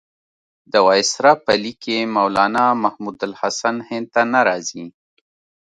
د وایسرا په لیک کې مولنا محمودالحسن هند ته نه راځي.